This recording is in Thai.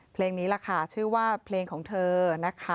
เพลงนี้แหละค่ะชื่อว่าเพลงของเธอนะคะ